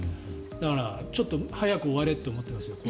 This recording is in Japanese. だから、ちょっと早く終われと思っていますよ。